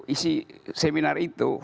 isi seminar itu